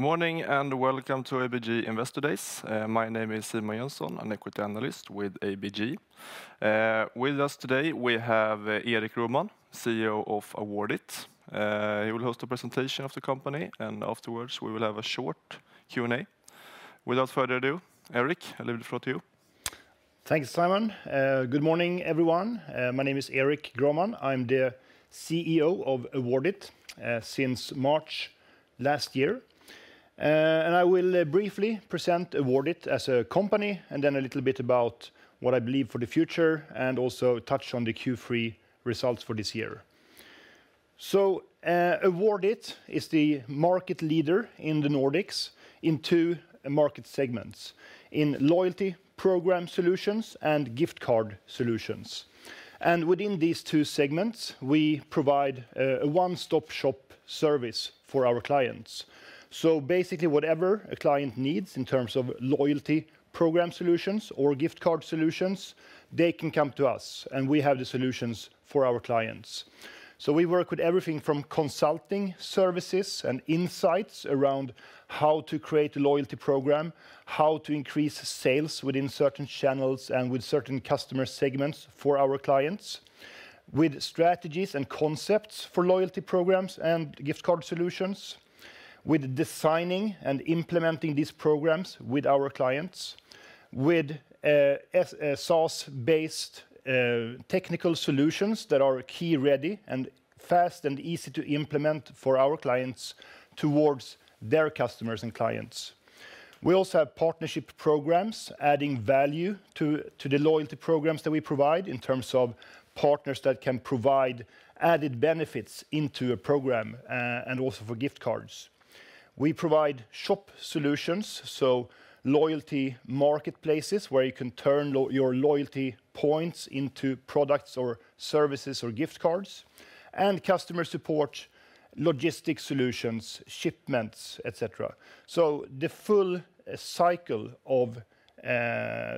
Good morning, and welcome to ABG Investor Days. My name is Simon Jönsson, an equity analyst with ABG. With us today, we have Erik Grohman, CEO of Awardit. He will host a presentation of the company, and afterwards, we will have a short Q&A. Without further ado, Erik, I leave the floor to you. Thanks, Simon. Good morning, everyone. My name is Erik Grohman. I'm the CEO of Awardit since March last year. I will briefly present Awardit as a company, and then a little bit about what I believe for the future, and also touch on the Q3 results for this year. Awardit is the market leader in the Nordics in two market segments: in loyalty program solutions and gift card solutions. Within these two segments, we provide a one-stop shop service for our clients. Basically, whatever a client needs in terms of loyalty program solutions or gift card solutions, they can come to us, and we have the solutions for our clients. So we work with everything from consulting services and insights around how to create a loyalty program, how to increase sales within certain channels and with certain customer segments for our clients, with strategies and concepts for loyalty programs and gift card solutions, with designing and implementing these programs with our clients, with SaaS-based technical solutions that are key ready and fast and easy to implement for our clients towards their customers and clients. We also have partnership programs, adding value to the loyalty programs that we provide in terms of partners that can provide added benefits into a program, and also for gift cards. We provide shop solutions, so loyalty marketplaces, where you can turn your loyalty points into products or services or gift cards, and customer support, logistics solutions, shipments, et cetera. The full cycle of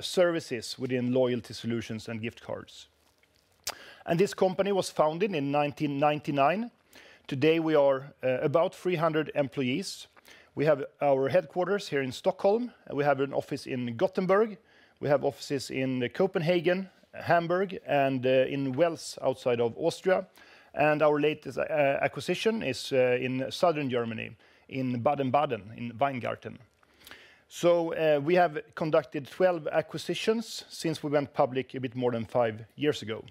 services within loyalty solutions and gift cards. This company was founded in 1999. Today, we are about 300 employees. We have our headquarters here in Stockholm, and we have an office in Gothenburg. We have offices in Copenhagen, Hamburg, and in Wels, outside of Austria, and our latest acquisition is in southern Germany, in Baden-Baden, in Weingarten. We have conducted 12 acquisitions since we went public a bit more than five years ago.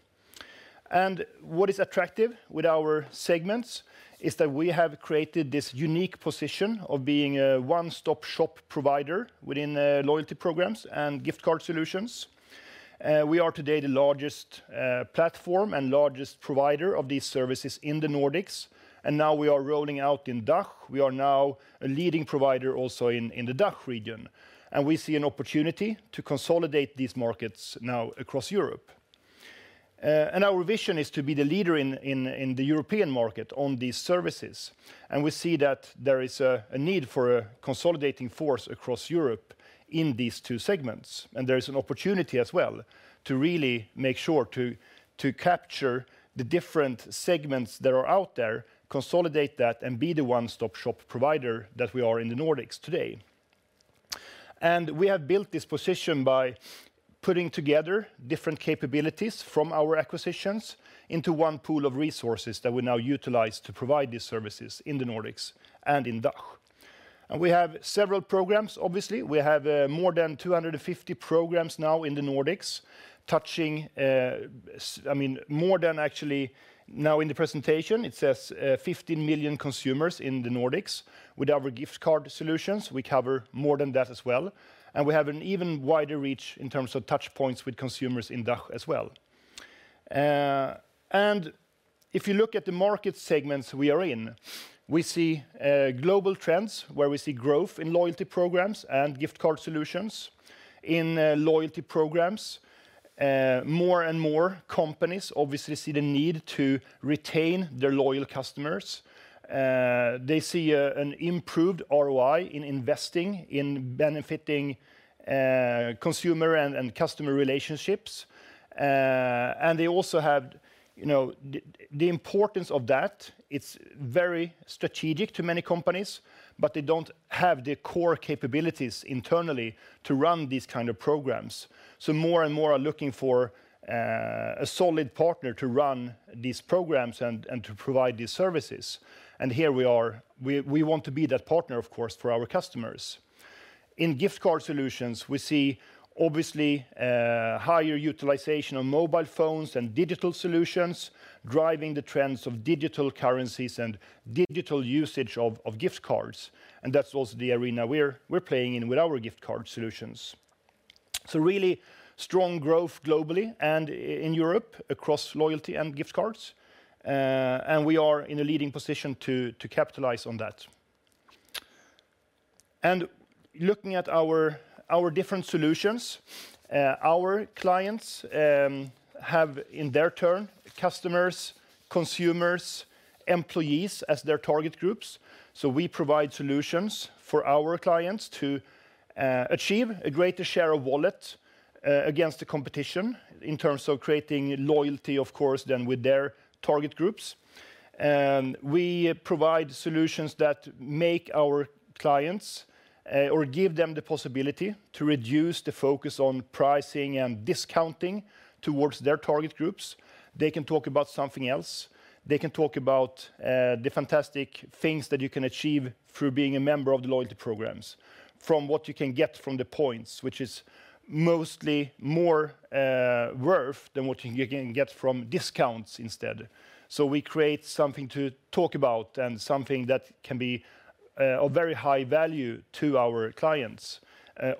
What is attractive with our segments is that we have created this unique position of being a one-stop shop provider within loyalty programs and gift card solutions. We are today the largest platform and largest provider of these services in the Nordics, and now we are rolling out in DACH. We are now a leading provider also in the DACH region, and we see an opportunity to consolidate these markets now across Europe. And our vision is to be the leader in the European market on these services, and we see that there is a need for a consolidating force across Europe in these two segments. And there is an opportunity as well to really make sure to capture the different segments that are out there, consolidate that, and be the one-stop shop provider that we are in the Nordics today. And we have built this position by putting together different capabilities from our acquisitions into one pool of resources that we now utilize to provide these services in the Nordics and in DACH. And we have several programs, obviously. We have more than 250 programs now in the Nordics, touching I mean, more than actually. Now in the presentation, it says 50 million consumers in the Nordics. With our gift card solutions, we cover more than that as well, and we have an even wider reach in terms of touch points with consumers in DACH as well. And if you look at the market segments we are in, we see global trends, where we see growth in loyalty programs and gift card solutions. In loyalty programs, more and more companies obviously see the need to retain their loyal customers. They see an improved ROI in investing, in benefiting consumer and customer relationships. And they also have, you know, the importance of that. It's very strategic to many companies, but they don't have the core capabilities internally to run these kind of programs. So more and more are looking for a solid partner to run these programs and to provide these services. And here we are. We want to be that partner, of course, for our customers. In gift card solutions, we see obviously higher utilization on mobile phones and digital solutions, driving the trends of digital currencies and digital usage of gift cards, and that's also the arena we're playing in with our gift card solutions. So really strong growth globally and in Europe, across loyalty and gift cards, and we are in a leading position to capitalize on that. Looking at our different solutions, our clients have, in their turn, customers, consumers, employees as their target groups, so we provide solutions for our clients to achieve a greater share of wallet against the competition in terms of creating loyalty, of course, than with their target groups. We provide solutions that make our clients or give them the possibility to reduce the focus on pricing and discounting towards their target groups. They can talk about something else. They can talk about the fantastic things that you can achieve through being a member of the loyalty programs, from what you can get from the points, which is mostly more worth than what you can get from discounts instead. So we create something to talk about and something that can be of very high value to our clients,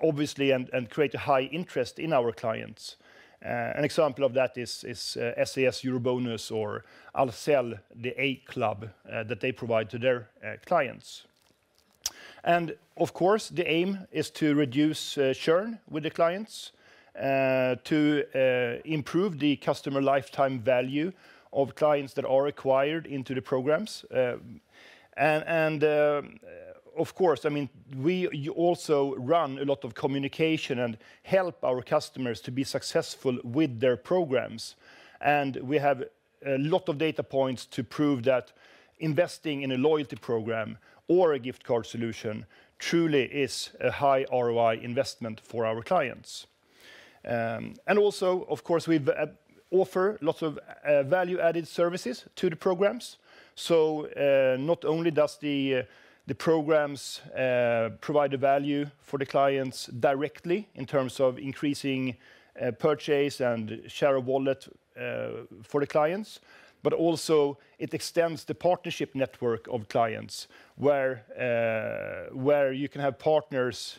obviously, and create a high interest in our clients. An example of that is SAS EuroBonus or Ahlsell, the aClub, that they provide to their clients. And, of course, the aim is to reduce churn with the clients to improve the customer lifetime value of clients that are acquired into the programs. And, of course, I mean, we--you also run a lot of communication and help our customers to be successful with their programs, and we have a lot of data points to prove that investing in a loyalty program or a gift card solution truly is a high ROI investment for our clients. Also, of course, we've offer lots of value-added services to the programs. So, not only does the programs provide a value for the clients directly in terms of increasing purchase and share of wallet for the clients, but also it extends the partnership network of clients, where you can have partners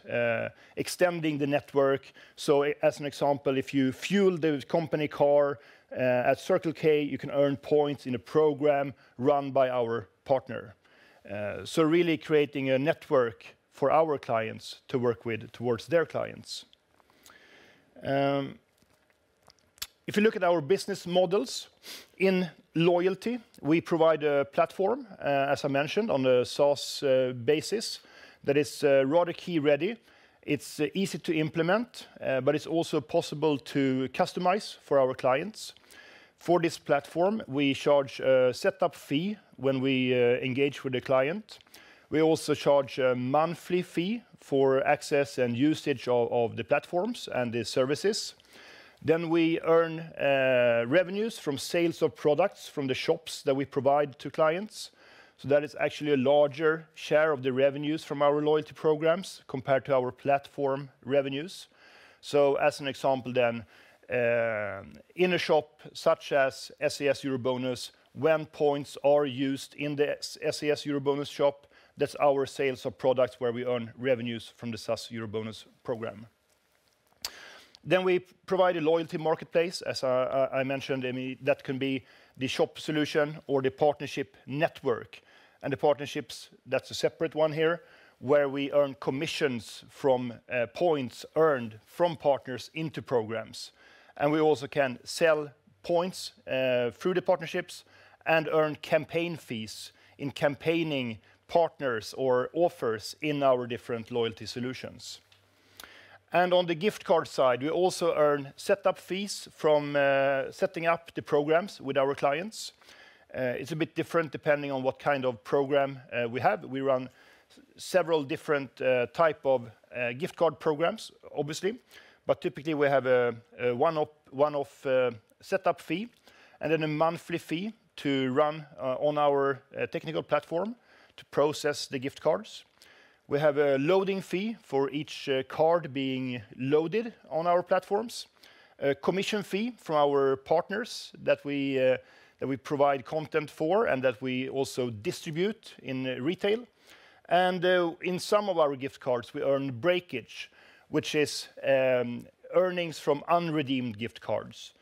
extending the network. So as an example, if you fuel the company car at Circle K, you can earn points in a program run by our partner. So really creating a network for our clients to work with towards their clients. If you look at our business models, in loyalty, we provide a platform, as I mentioned, on a SaaS basis, that is turnkey ready. It's easy to implement, but it's also possible to customize for our clients. For this platform, we charge a set-up fee when we engage with the client. We also charge a monthly fee for access and usage of the platforms and the services. Then we earn revenues from sales of products from the shops that we provide to clients, so that is actually a larger share of the revenues from our loyalty programs compared to our platform revenues. So as an example then, in a shop such as SAS EuroBonus, when points are used in the SAS EuroBonus shop, that's our sales of products where we earn revenues from the SAS EuroBonus program. Then we provide a loyalty marketplace, as I mentioned, I mean, that can be the shop solution or the partnership network. And the partnerships, that's a separate one here, where we earn commissions from points earned from partners into programs. And we also can sell points through the partnerships and earn campaign fees in campaigning partners or offers in our different loyalty solutions. And on the gift card side, we also earn set-up fees from setting up the programs with our clients. It's a bit different depending on what kind of program we have. We run several different type of gift card programs, obviously, but typically, we have a one-off set-up fee and then a monthly fee to run on our technical platform to process the gift cards. We have a loading fee for each card being loaded on our platforms, a commission fee from our partners that we provide content for and that we also distribute in retail. In some of our gift cards, we earn breakage, which is earnings from unredeemed gift cards.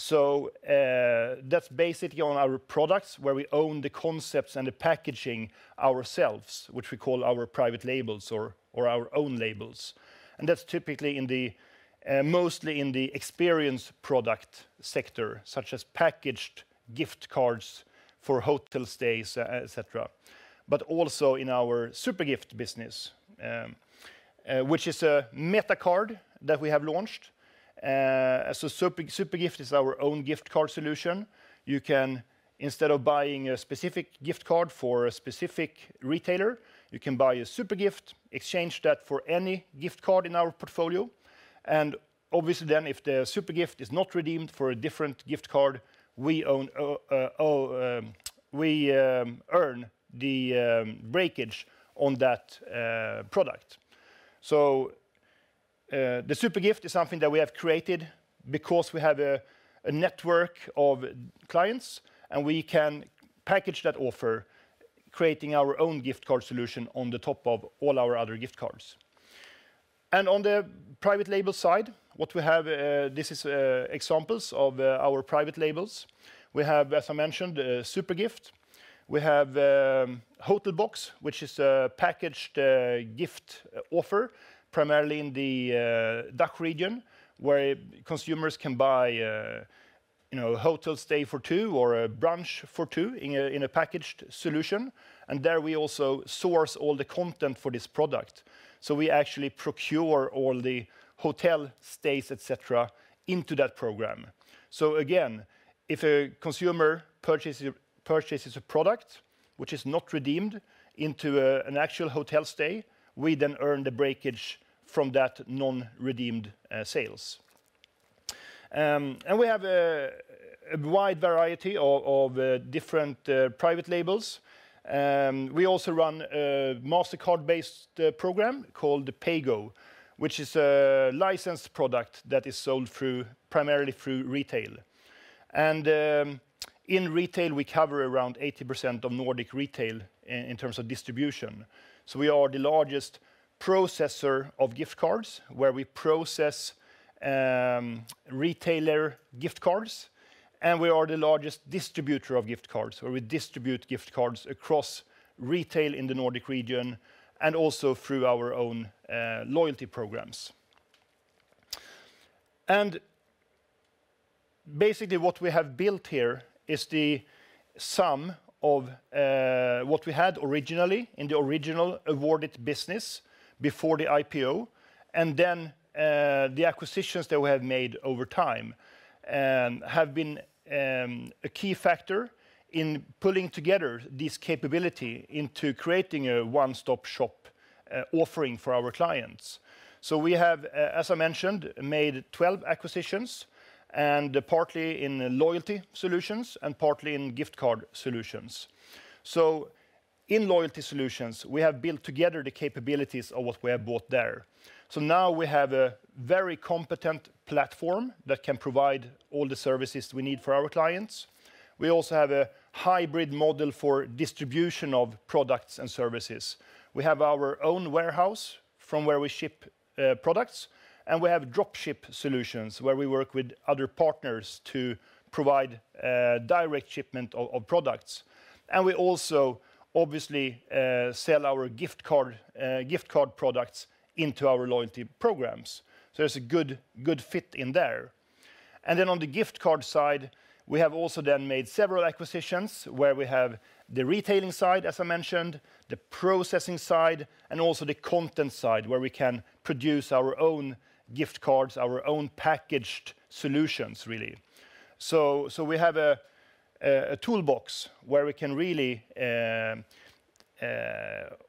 That's basically on our products, where we own the concepts and the packaging ourselves, which we call our private labels or our own labels. That's typically mostly in the experience product sector, such as packaged gift cards for hotel stays, et cetera. But also in our SuperGift business, which is a meta card that we have launched. SuperGift is our own gift card solution. You can, instead of buying a specific gift card for a specific retailer, you can buy a SuperGift, exchange that for any gift card in our portfolio, and obviously then, if the SuperGift is not redeemed for a different gift card, we earn the breakage on that product. So, the SuperGift is something that we have created because we have a network of clients, and we can package that offer, creating our own gift card solution on the top of all our other gift cards. On the private label side, what we have, this is examples of our private labels. We have, as I mentioned, SuperGift. We have Hotelbox, which is a packaged gift offer, primarily in the DACH region, where consumers can buy, you know, a hotel stay for two or a brunch for two in a packaged solution. And there, we also source all the content for this product, so we actually procure all the hotel stays, et cetera, into that program. So again, if a consumer purchases, purchases a product which is not redeemed into an actual hotel stay, we then earn the breakage from that non-redeemed sales. And we have a wide variety of different private labels. We also run a Mastercard-based program called Paygoo, which is a licensed product that is sold through, primarily through retail. And in retail, we cover around 80% of Nordic retail in terms of distribution. So we are the largest processor of gift cards, where we process retailer gift cards, and we are the largest distributor of gift cards, where we distribute gift cards across retail in the Nordic region and also through our own loyalty programs. And basically, what we have built here is the sum of what we had originally in the original Awardit business before the ipo, and then the acquisitions that we have made over time have been a key factor in pulling together this capability into creating a one-stop shop offering for our clients. So we have, as I mentioned, made 12 acquisitions, and partly in loyalty solutions and partly in gift card solutions. So in loyalty solutions, we have built together the capabilities of what we have bought there. Now we have a very competent platform that can provide all the services we need for our clients. We also have a hybrid model for distribution of products and services. We have our own warehouse from where we ship products, and we have drop ship solutions, where we work with other partners to provide direct shipment of products. And we also obviously sell our gift card gift card products into our loyalty programs. So there's a good, good fit in there. And then on the gift card side, we have also then made several acquisitions where we have the retailing side, as I mentioned, the processing side, and also the content side, where we can produce our own gift cards, our own packaged solutions, really. So, so we have a, a toolbox where we can really,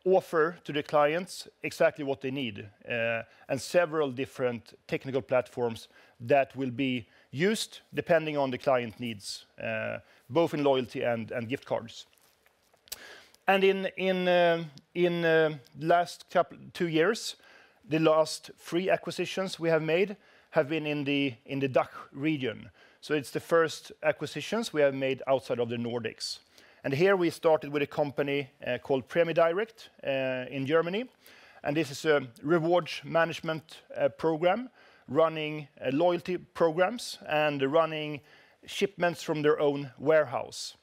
offer to the clients exactly what they need, and several different technical platforms that will be used depending on the client needs, both in loyalty and, and gift cards. And in the last two years, the last three acquisitions we have made have been in the DACH region. So it's the first acquisitions we have made outside of the Nordics. And here we started with a company, called Prämie Direkt, in Germany, and this is a rewards management program, running loyalty programs and running shipments from their own warehouse.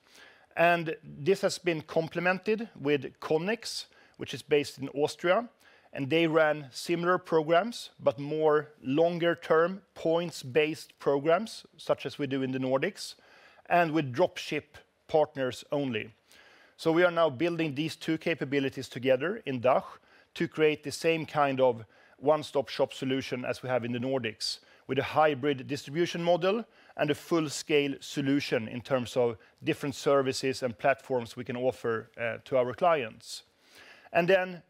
And this has been complemented with Connex, which is based in Austria, and they ran similar programs, but more longer-term, points-based programs, such as we do in the Nordics, and with drop ship partners only. So we are now building these two capabilities together in DACH to create the same kind of one-stop shop solution as we have in the Nordics, with a hybrid distribution model and a full-scale solution in terms of different services and platforms we can offer to our clients. And then,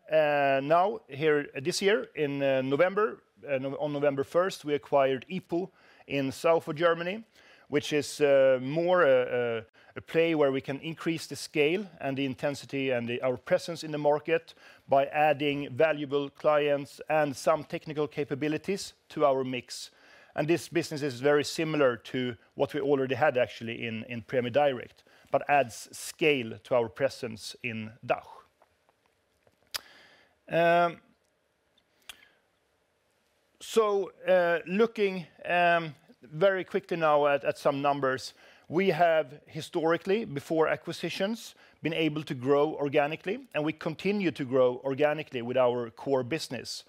now, here, this year, in November, on November first, we acquired IPO in south Germany, which is more a play where we can increase the scale and the intensity and our presence in the market by adding valuable clients and some technical capabilities to our mix. And this business is very similar to what we already had, actually, in Prämie Direkt, but adds scale to our presence in DACH. So, looking very quickly now at some numbers, we have historically, before acquisitions, been able to grow organically, and we continue to grow organically with our core business.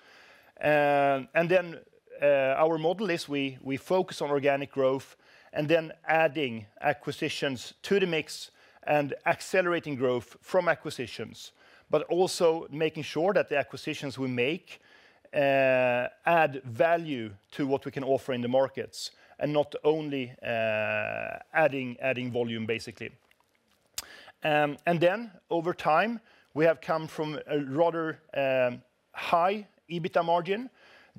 And then, our model is we focus on organic growth and then adding acquisitions to the mix and accelerating growth from acquisitions, but also making sure that the acquisitions we make add value to what we can offer in the markets, and not only adding volume, basically. And then over time, we have come from a rather high EBITDA margin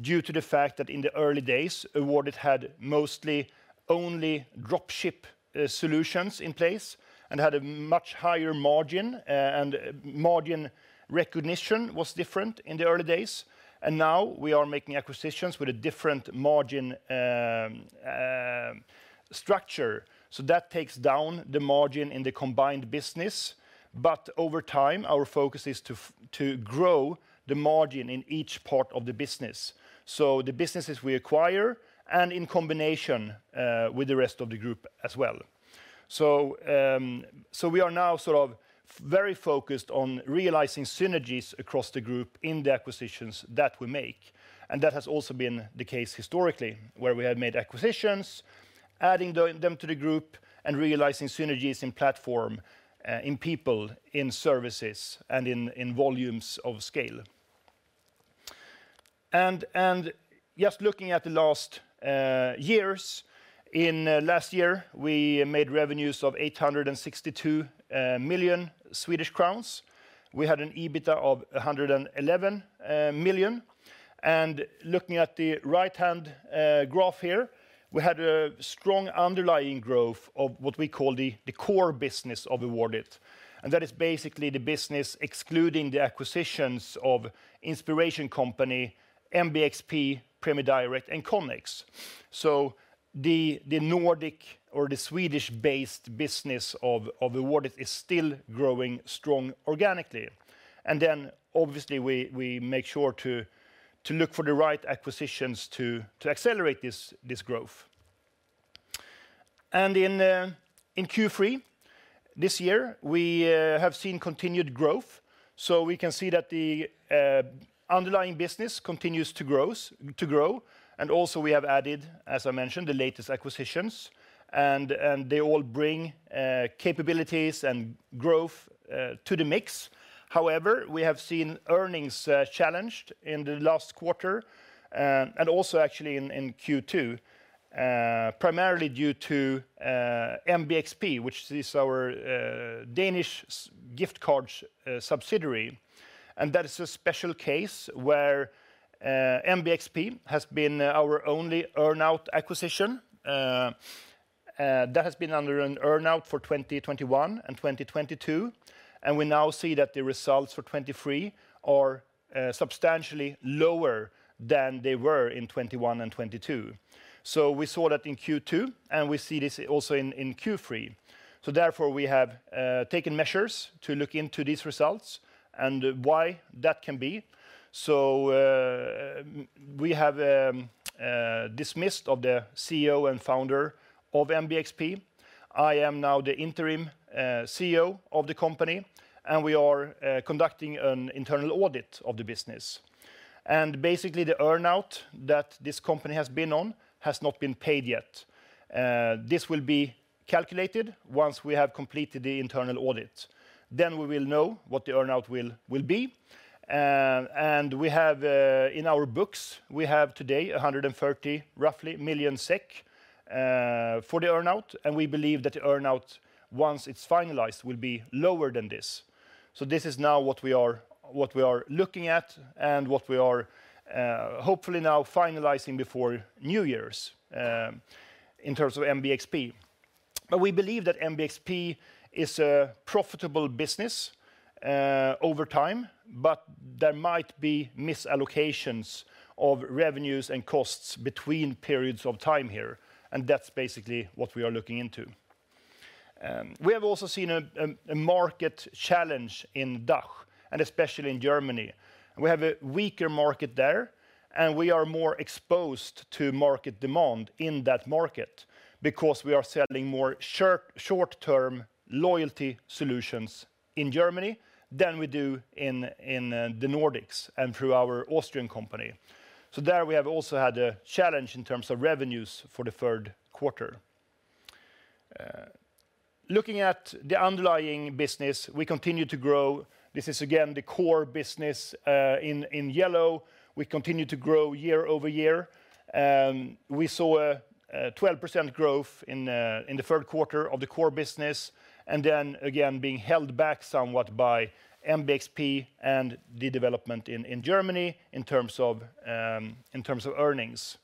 due to the fact that in the early days, Awardit had mostly only drop ship solutions in place and had a much higher margin, and margin recognition was different in the early days. And now we are making acquisitions with a different margin structure. So that takes down the margin in the combined business. But over time, our focus is to grow the margin in each part of the business, so the businesses we acquire and in combination with the rest of the group as well. So we are now sort of very focused on realizing synergies across the group in the acquisitions that we make, and that has also been the case historically, where we have made acquisitions, adding them to the group, and realizing synergies in platform, in people, in services, and in volumes of scale. And just looking at the last years, in last year, we made revenues of 862 million Swedish crowns. We had an EBITDA of 111 million. Looking at the right-hand graph here, we had a strong underlying growth of what we call the core business of Awardit, and that is basically the business excluding the acquisitions of Inspiration Company, MBXP, Prämie Direkt, and Connex. So the Nordic or the Swedish-based business of Awardit is still growing strong organically. And then, obviously, we make sure to look for the right acquisitions to accelerate this growth. And in Q3 this year, we have seen continued growth. So we can see that the underlying business continues to grow, and also we have added, as I mentioned, the latest acquisitions, and they all bring capabilities and growth to the mix. However, we have seen earnings challenged in the last quarter, and also actually in Q2, primarily due to MBXP, which is our Danish gift card subsidiary. And that is a special case where MBXP has been our only earn-out acquisition that has been under an earn-out for 2021 and 2022, and we now see that the results for 2023 are substantially lower than they were in 2021 and 2022. So we saw that in Q2, and we see this also in Q3. So therefore, we have taken measures to look into these results and why that can be. So we have dismissed the CEO and founder of MBXP. I am now the interim CEO of the company, and we are conducting an internal audit of the business. And basically, the earn-out that this company has been on has not been paid yet. This will be calculated once we have completed the internal audit, then we will know what the earn-out will be. And we have in our books, we have today roughly 130 million SEK for the earn-out, and we believe that the earn-out, once it's finalized, will be lower than this. So this is now what we are looking at and what we are hopefully now finalizing before New Year's, in terms of MBXP. But we believe that MBXP is a profitable business over time, but there might be misallocations of revenues and costs between periods of time here, and that's basically what we are looking into. We have also seen a market challenge in DACH, and especially in Germany. We have a weaker market there, and we are more exposed to market demand in that market because we are selling more short-term loyalty solutions in Germany than we do in the Nordics and through our Austrian company. So there, we have also had a challenge in terms of revenues for the third quarter. Looking at the underlying business, we continue to grow. This is, again, the core business in yellow. We continue to grow year over year. We saw a 12% growth in the third quarter of the core business, and then again, being held back somewhat by MBXP and the development in Germany in terms of earnings.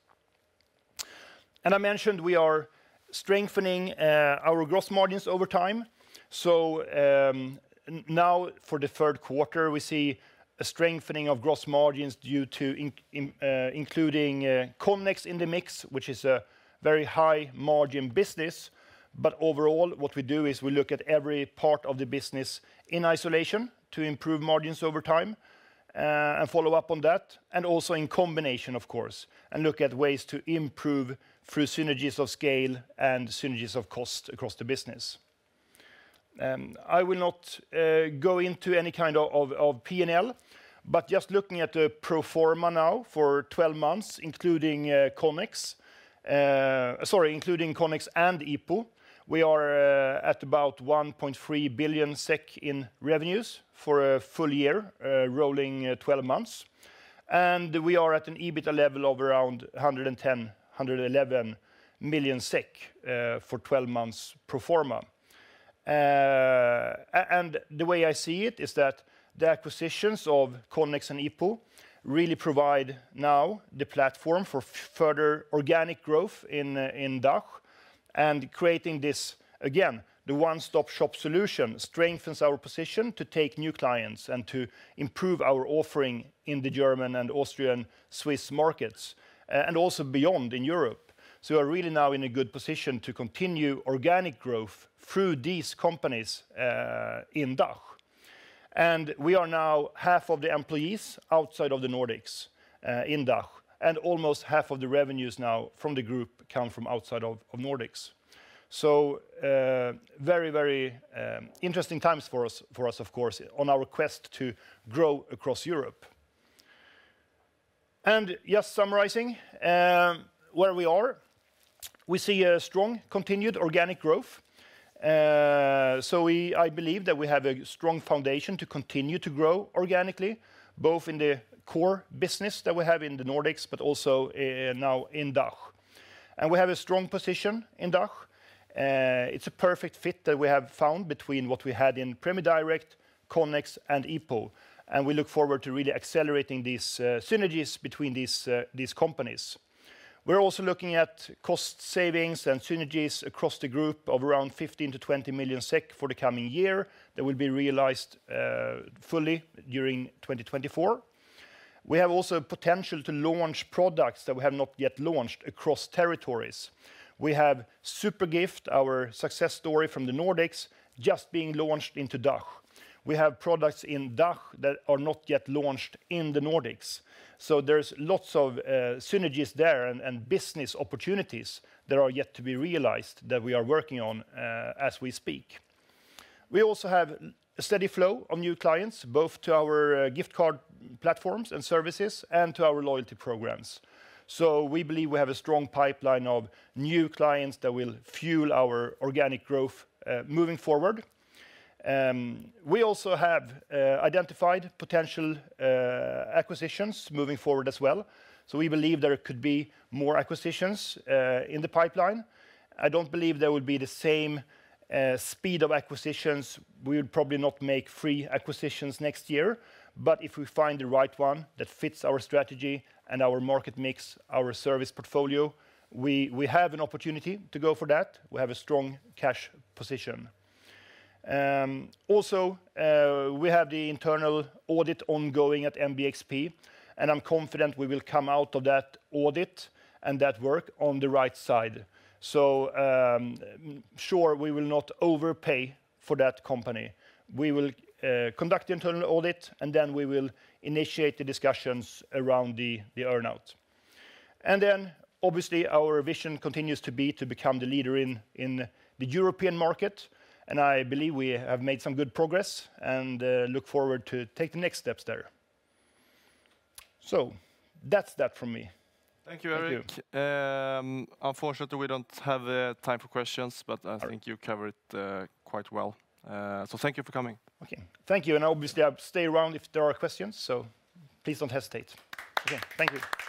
I mentioned we are strengthening our gross margins over time. So, now, for the third quarter, we see a strengthening of gross margins due to including Connex in the mix, which is a very high-margin business. But overall, what we do is we look at every part of the business in isolation to improve margins over time, and follow up on that, and also in combination, of course, and look at ways to improve through synergies of scale and synergies of cost across the business. I will not go into any kind of P&L, but just looking at the pro forma now for 12 months, including Connex and IPO, we are at about 1.3 billion SEK in revenues for a full year, rolling 12 months. We are at an EBITDA level of around 110 million-111 million SEK for 12 months pro forma. The way I see it is that the acquisitions of Connex and IPO really provide now the platform for further organic growth in DACH. Creating this, again, the one-stop-shop solution strengthens our position to take new clients and to improve our offering in the German and Austrian, Swiss markets, and also beyond in Europe. So we're really now in a good position to continue organic growth through these companies in DACH. And we are now half of the employees outside of the Nordics in DACH, and almost half of the revenues now from the group come from outside of Nordics. So very, very interesting times for us, of course, on our quest to grow across Europe. And just summarizing where we are? We see a strong continued organic growth. So we, I believe that we have a strong foundation to continue to grow organically, both in the core business that we have in the Nordics, but also now in DACH. And we have a strong position in DACH. It's a perfect fit that we have found between what we had in Prämie Direkt, Connex, and IPO, and we look forward to really accelerating these, synergies between these, these companies. We're also looking at cost savings and synergies across the group of around 15 million-20 million SEK for the coming year. That will be realized, fully during 2024. We have also potential to launch products that we have not yet launched across territories. We have SuperGift, our success story from the Nordics, just being launched into DACH. We have products in DACH that are not yet launched in the Nordics, so there's lots of, synergies there and, and business opportunities that are yet to be realized, that we are working on, as we speak. We also have a steady flow of new clients, both to our gift card platforms and services, and to our loyalty programs. So we believe we have a strong pipeline of new clients that will fuel our organic growth, moving forward. We also have identified potential acquisitions moving forward as well, so we believe there could be more acquisitions in the pipeline. I don't believe there would be the same speed of acquisitions. We would probably not make three acquisitions next year, but if we find the right one that fits our strategy and our market mix, our service portfolio, we have an opportunity to go for that. We have a strong cash position. Also, we have the internal audit ongoing at MBXP, and I'm confident we will come out of that audit and that work on the right side. Sure, we will not overpay for that company. We will conduct the internal audit, and then we will initiate the discussions around the earn-out. And then, obviously, our vision continues to be to become the leader in the European market, and I believe we have made some good progress, and look forward to take the next steps there. So that's that from me. Thank you, Erik. Thank you. Unfortunately, we don't have the time for questions, but I think you covered it quite well. So thank you for coming. Okay. Thank you, and obviously, I'll stay around if there are questions, so please don't hesitate. Okay. Thank you.